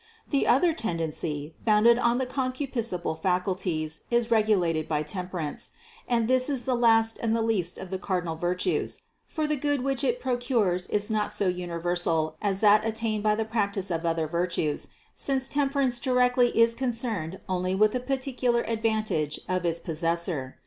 The other tendency, founded on the concupiscible faculties, is regulated by temperance, and this is the last and the least of the cardinal virtues; for the good which it procures is not so universal as that attained by the practice of other virtues, since temperance directly is concerned only with the particular advantage of its possessor.